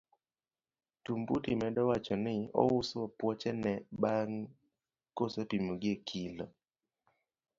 Tumbuti medo wacho ni ouso apuoche ne bang' kosepimo gi e kilo.